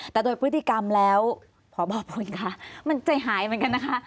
แต่โดยพฤติกรรมแล้วพบพลค่ะมันใจหายเหมือนกันนะคะ